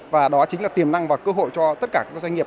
và đó chính là tiềm năng và cơ hội cho tất cả các doanh nghiệp